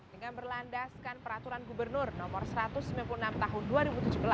dengan berlandaskan peraturan gubernur no satu ratus sembilan puluh enam tahun dua ribu tujuh belas